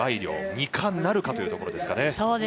凌２冠なるかというところですね。